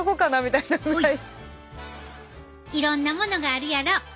いろんなものがあるやろ。